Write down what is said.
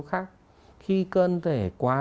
khác khi cân thể quá